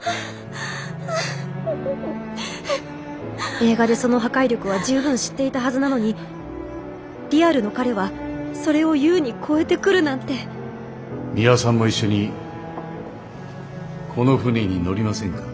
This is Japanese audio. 映画でその破壊力は十分知っていたはずなのにリアルの彼はそれを優に超えてくるなんてミワさんも一緒にこの船に乗りませんか？